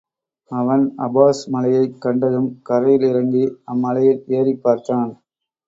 அவன் அபாஸ் மலையைக் கண்டதும், கரையில் இறங்கி அம்மலையில் ஏறிப் பார்த்தான்.